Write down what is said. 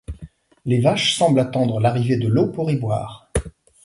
Les vaches semblent attendre l’arrivée de l’eau pour y boire.